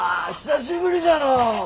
久しぶりじゃのう。